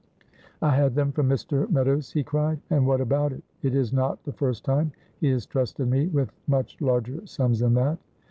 "I had them from Mr. Meadows," he cried; "and what about it? it is not the first time he has trusted me with much larger sums than that."